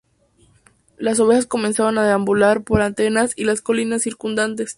Las ovejas comenzaron a deambular por Atenas y las colinas circundantes.